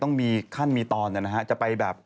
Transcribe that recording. ต้องมีขั้นมีตอนนะฮะจะไปแบบ